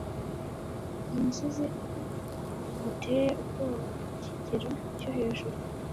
uyu musozi ari ahantu hateye ubwoba kukigero cyo hejuru.